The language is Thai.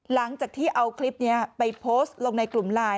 หลังจากที่เอาคลิปนี้ไปโพสต์ลงในกลุ่มไลน์